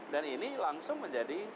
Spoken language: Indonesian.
dan ini langsung menjadi